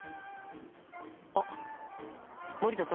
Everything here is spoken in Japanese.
あっ森田さん。